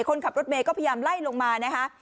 คนขับรถเมย์ก็พยายามไล่ลงมานะคะ